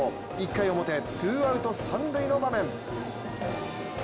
１回表、ツーアウト三塁の場面。